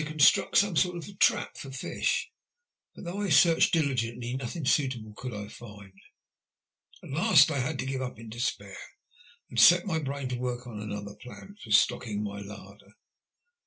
1M; construct some sort of a trap for fish. But though I searched diligently, nothing suitable could I find. At last I had to give it up in despair, and set my brain to work on another plan for stocking my larder.